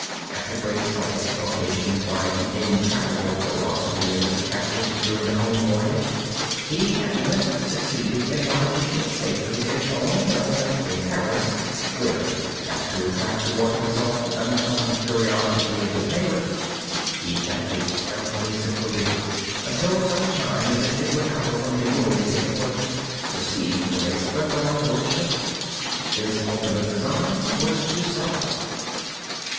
After great trouble, occasioned by the intractable ferocity of his captive during the home voyage, he at length succeeded in lodging it safely at his own residence in Paris, where, not to attract toward himself the unpleasant curiosity of his neighbors, he kept it carefully secluded, until such time as it should recover from a wound in the foot, received from a splinter on board ship. His ultimate design was to sell it.